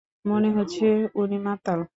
মনে হচ্ছে উনি মাতাল।